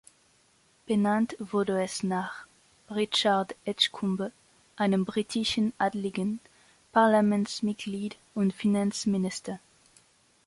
Benannt wurde es nach Richard Edgcumbe, einem britischen Adligen, Parlamentsmitglied und Finanzminister.